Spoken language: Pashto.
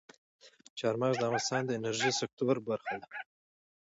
چار مغز د افغانستان د انرژۍ سکتور برخه ده.